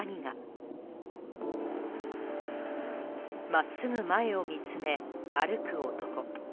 真っすぐ前を見つめ、歩く男。